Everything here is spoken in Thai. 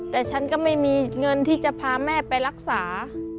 แต่ฉันก็ไม่มีเงินที่จะพาแม่ไปรักษา